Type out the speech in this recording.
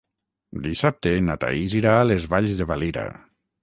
Dissabte na Thaís irà a les Valls de Valira.